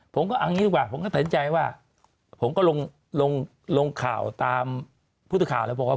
ผมก็อันนี้ดีกว่าผมก็สนใจว่าผมก็ลงข่าวตามพูดข่าวแล้วบอกว่า